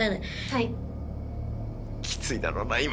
はい。